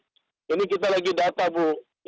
dan kami selalu paham kita masih berada di luar